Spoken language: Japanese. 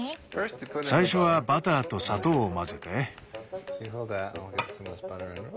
最初はバターと砂糖を混ぜて。